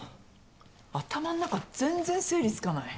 頭ん中全然整理つかない。